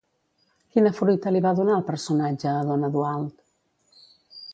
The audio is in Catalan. Quina fruita li va donar el personatge a don Eduald?